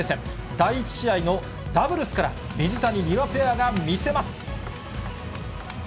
第１試合のダブルスから、水谷・丹羽ペアが見せます。